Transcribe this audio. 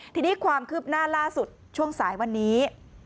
ทีนี้ความคืบหน้าล่าสุดช่วงสายวันนี้